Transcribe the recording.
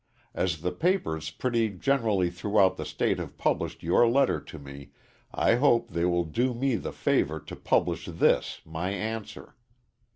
As the papers pretty generally throughout the State have published your letter to me, I hope they will do me the favor to publish this, my answer.